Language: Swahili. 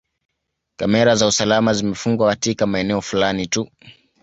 Kamera za usalama zimefungwa katika maeneo fulani tu